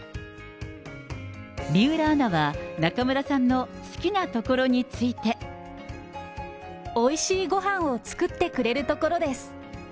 水卜アナは、中村さんの好きなところについて。おいしいごはんを作ってくれるところです。